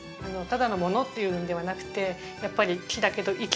ただのものっていうんではなくてやっぱり木だけど生きてるものなので